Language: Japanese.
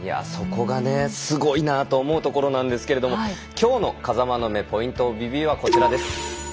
そこがすごいなと思うところなんですけれどきょうの「風間の目」ポイント・オブ・ビューこちらです。